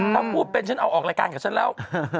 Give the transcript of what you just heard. ถ้าพูดเป็นฉันเอาออกรายการกับฉันแล้ว